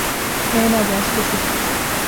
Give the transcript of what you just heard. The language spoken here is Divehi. އޭނާގެ އަސްލު ސިފަ